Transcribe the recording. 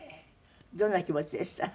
どんな気持ちでした？